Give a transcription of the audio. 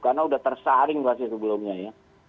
karena udah tersaring pasti sebelumnya ya